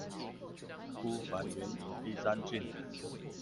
孤帆遠影碧山近